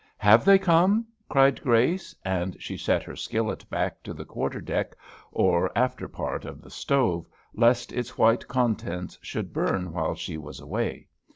"Have they come?" cried Grace; and she set her skillet back to the quarter deck, or after part of the stove, lest its white contents should burn while she was away.